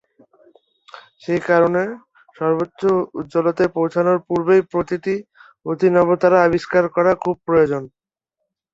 সে কারণে সর্বোচ্চ উজ্জ্বলতায় পৌঁছানোর পূর্বেই প্রতিটি অতিনবতারা আবিষ্কার করা খুব প্রয়োজন।